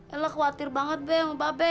elo khawatir banget be sama babe